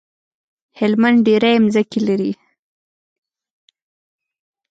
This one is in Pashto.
هلمند ډيری مځکی لری